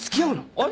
あれ？